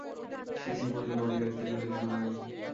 CC বললে, বাজি রাখতে গেলে কেন ভাই।